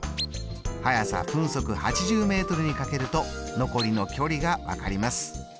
速さ分速８０ｍにかけると残りの距離が分かります。